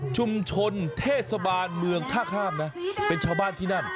ชุมชนเทศบาลเมืองท่าข้ามนะเป็นชาวบ้านที่นั่น